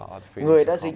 samuel grigot người đã dính